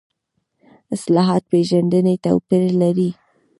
اصطلاح پېژندنې توپیر لري.